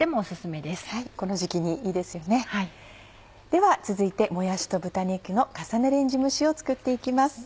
では続いてもやしと豚肉の重ねレンジ蒸しを作って行きます。